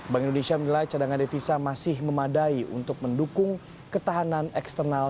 bank indonesia menilai cadangan devisa masih memadai untuk mendukung ketahanan eksternal